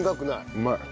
うまい。